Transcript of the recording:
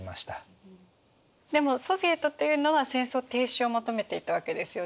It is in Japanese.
でもソヴィエトというのは戦争停止を求めていたわけですよね？